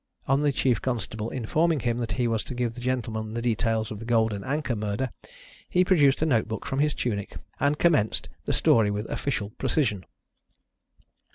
On the chief constable informing him that he was to give the gentlemen the details of the Golden Anchor murder, he produced a notebook from his tunic, and commenced the story with official precision.